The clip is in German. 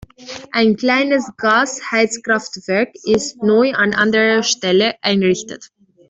Ein kleines Gas-Heizkraftwerk ist neu an anderer Stelle errichtet.